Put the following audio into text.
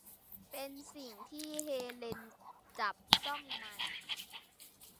เป็นสิ่งที่เฮเลนจับต้องมัน